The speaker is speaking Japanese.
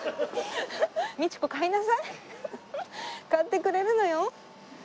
買ってくれるのよ。